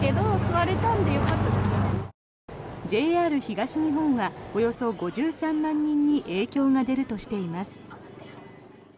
ＪＲ東日本はおよそ５３万人に影響が出るとしています。